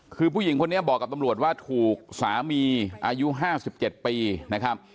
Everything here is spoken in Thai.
คือผู้หญิงพวกเนี้ยบอกกับตำลวดว่าถูกสามีอายุห้าสิบเจ็ดปีนะครับ